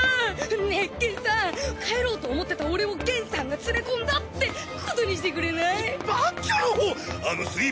ねっ源さん帰ろうと思ってた俺を源さんが連れ込んだってことにしてくれない？バッキャロー！